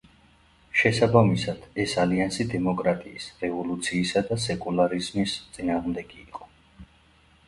შესაბამისად, ეს ალიანსი დემოკრატიის, რევოლუციისა და სეკულარიზმის წინააღმდეგი იყო.